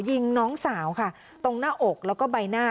ยิงน้องสาวค่ะตรงหน้าอกแล้วก็ใบหน้า